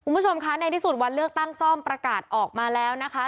คุณผู้ชมคะในที่สุดวันเลือกตั้งซ่อมประกาศออกมาแล้วนะคะ